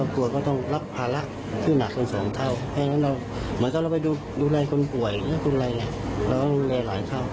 เพราะฉะนั้นเราไปดูแลคนป่วยดูแลและเลหาล่ายเท่า